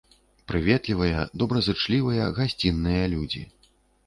Прыветлівыя, добразычлівыя, гасцінныя людзі.